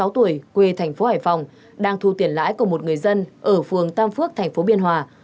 bốn mươi sáu tuổi quê tp hải phòng đang thu tiền lãi của một người dân ở phường tam phước tp biên hòa